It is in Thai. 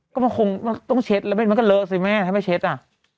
ก็มันคงต้องเช็ดมันก็เลอสิแม่ให้ไม่เช็ดอะ